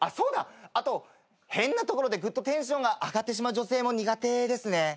あと変なところでテンションが上がってしまう女性も苦手ですね。